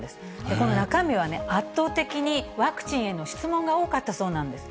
この中身は、圧倒的にワクチンへの質問が多かったそうなんです。